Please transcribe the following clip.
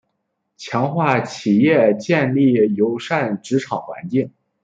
强化企业建立友善职场环境